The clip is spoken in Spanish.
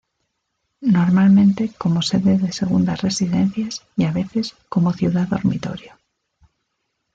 Normalmente como sede de segundas residencias y a veces como ciudad dormitorio.